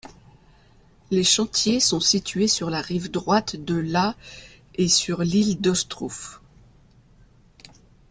Les chantiers sont situés sur la rive droite de la et sur l'île d'Ostrów.